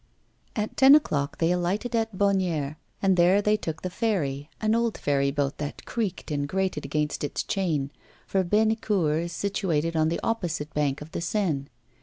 At ten o'clock they alighted at Bonnières; and there they took the ferry an old ferry boat that creaked and grated against its chain for Bennecourt is situated on the opposite bank of the Seine.